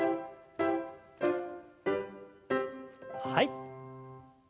はい。